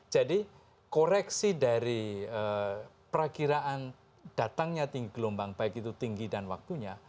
jadi koreksi dari perakiraan datangnya tinggi gelombang baik itu tinggi dan waktunya